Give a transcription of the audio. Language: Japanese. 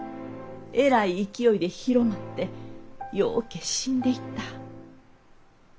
えらい勢いで広まってようけ死んでいった。